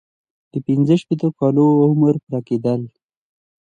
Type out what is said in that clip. د پنځه شپیتو کلونو عمر پوره کیدل.